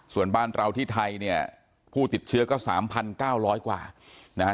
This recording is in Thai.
ส่วนบ้านเราที่ไทยเนี่ยผู้ติดเชื้อก็๓๙๐๐กว่านะฮะ